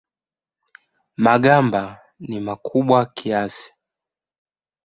Magamba ni makubwa kiasi.